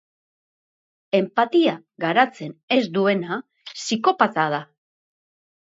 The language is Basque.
Enpatia garatzen ez duena psikopata da.